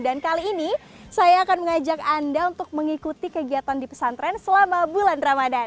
dan kali ini saya akan mengajak anda untuk mengikuti kegiatan di pesantren selama bulan ramadan